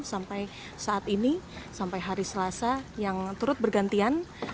sampai saat ini sampai hari selasa yang turut bergantian